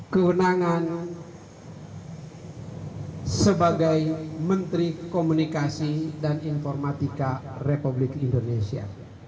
kewenangan sebagai menteri komunikasi dan informatika republik indonesia